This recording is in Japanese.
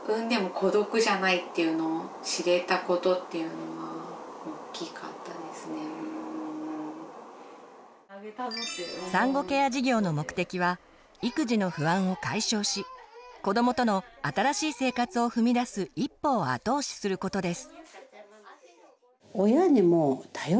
子どもだけでなくて産後ケア事業の目的は育児の不安を解消し子どもとの新しい生活を踏み出す一歩を後押しすることです。